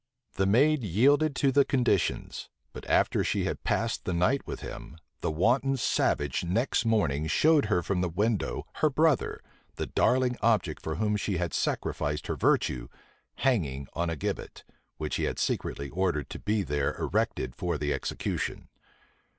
The maid yielded to the conditions: but after she had passed the night with him, the wanton savage next morning showed her from the window her brother, the darling object for whom she had sacrificed her virtue, hanging on a gibbet, which he had secretly ordered to be there erected for the execution.